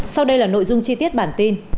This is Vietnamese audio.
sau đây là nội dung chi tiết bản tin